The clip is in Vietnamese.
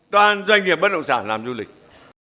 toàn doanh nghiệp bất động sản làm du lịch